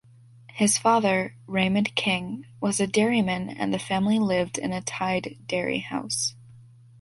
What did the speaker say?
His father, Raymond King, was a dairyman, and the family lived in a tied dairy house.